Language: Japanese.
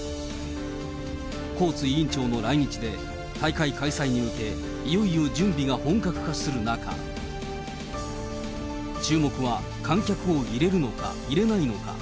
コーツ委員長の来日で、大会開催に向け、いよいよ準備が本格化する中、注目は観客を入れるのか、入れないのか。